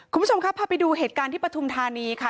คุณผู้ชมครับพาไปดูเหตุการณ์ที่ปฐุมธานีค่ะ